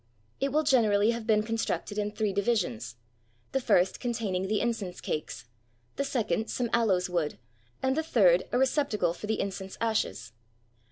It will generally have been constructed in three divisions — the first containing the incense cakes, the second some aloes wood, and the third a receptacle for the incense ashes.